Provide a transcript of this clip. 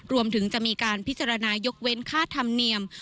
รวมถึงจะมีการพิจารณายกเว้นค่าธรรมเนียม